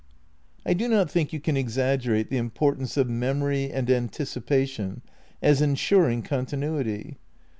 I do not think you can exaggerate the importance of memory and anticipation as ensuring continuity.